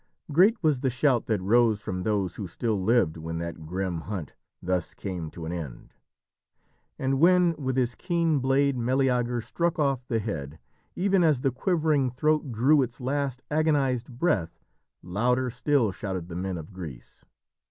Great was the shout that rose from those who still lived when that grim hunt thus came to an end. And when, with his keen blade, Meleager struck off the head, even as the quivering throat drew its last agonised breath, louder still shouted the men of Greece.